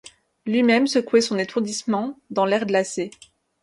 Lui-même secouait son étourdissement, dans l’air glacé.